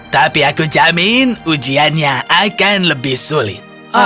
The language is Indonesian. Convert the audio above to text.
tapi aku jamin ujiannya akan lebih sulit